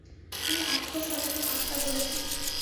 তিনি আত্মসচেতন আত্মা বলেছেন।